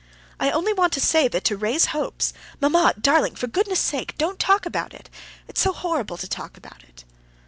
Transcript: "I only want to say that to raise hopes...." "Mamma, darling, for goodness' sake, don't talk about it. It's so horrible to talk about it."